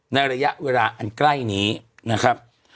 ระยะเวลาอันใกล้นี้นะครับ